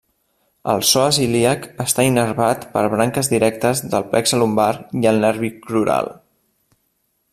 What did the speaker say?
El psoes ilíac està innervat per branques directes del plexe lumbar i del nervi crural.